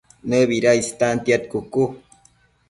¿Nëbida istantiad cucu?